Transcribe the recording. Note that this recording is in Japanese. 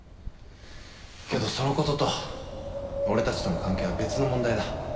けどそのことと俺たちとの関係は別の問題だ。